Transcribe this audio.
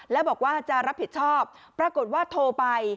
แล้วบอกว่าจะรับผิดชอบปรากฏว่าโทรไป